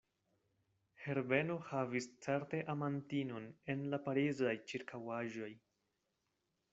Herbeno havis certe amantinon en la Parizaj ĉirkaŭaĵoj.